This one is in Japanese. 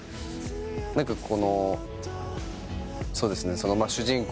何かこのそうですね主人公の。